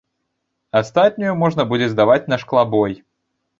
Астатнюю можна будзе здаваць на шклабой.